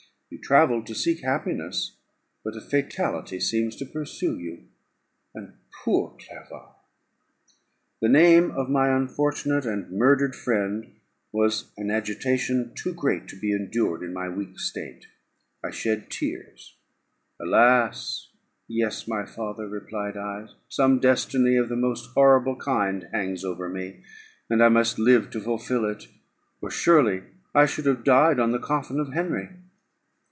"You travelled to seek happiness, but a fatality seems to pursue you. And poor Clerval " The name of my unfortunate and murdered friend was an agitation too great to be endured in my weak state; I shed tears. "Alas! yes, my father," replied I; "some destiny of the most horrible kind hangs over me, and I must live to fulfil it, or surely I should have died on the coffin of Henry."